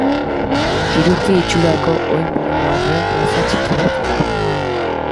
Hiruki itxurako oinplanoa duen plaza txiki bat da.